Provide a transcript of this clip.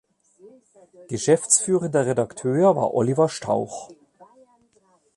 Geschäftsführender Redakteur war Oliver Stauch.